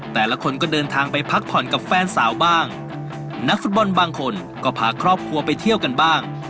แต่ละคนก็เดินทางไปพักผ่อนกับแฟนสาวบ้างนักฟุตบอลบางคนก็พาครอบครัวไปเที่ยวกันบ้าง